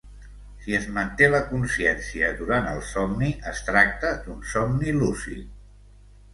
Si es manté la consciència durant el somni, es tracta d'un somni lúcid.